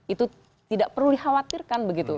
itu tidak perlu dikhawatirkan begitu